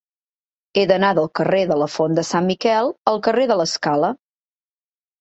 He d'anar del carrer de la Font de Sant Miquel al carrer de l'Escala.